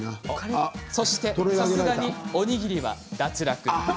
そしてさすがにおにぎりは脱落。